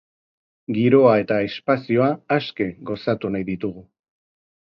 Giroa eta espazioa aske gozatu nahi ditugu.